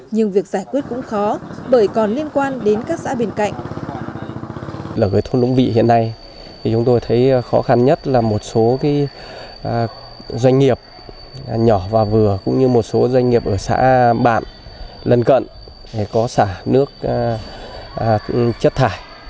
nhưng việc giải quyết cũng khó bởi còn liên quan đến các xã bên cạnh